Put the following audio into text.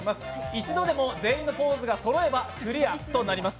一度でも全員のポーズがそろえばクリアとなります。